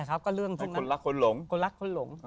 คนรักคนหลง